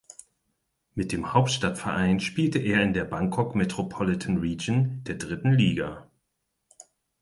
Mit dem Hauptstadtverein spielte er in der Bangkok Metropolitan Region der dritten Liga.